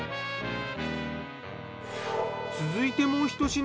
続いてもうひと品。